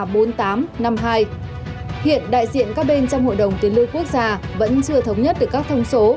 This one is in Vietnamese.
hiện đại diện các bên trong hội đồng tiến lương quốc gia vẫn chưa thống nhất được các thông số